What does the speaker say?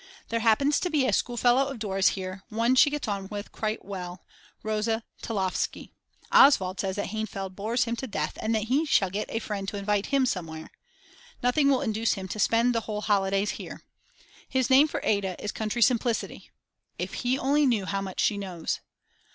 There happens to be a schoolfellow of Dora's here, one she gets on with quite well, Rosa Tilofsky Oswald says that Hainfeld bores him to death and that he shall get a friend to invite him somewhere. Nothing will induce him to spend the whole holidays here. His name for Ada is: "Country Simplicity." If he only knew how much she knows.